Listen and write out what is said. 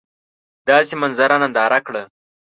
داسي منظره ننداره کړه !